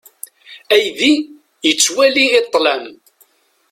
Aydi yettwali i ṭṭlam.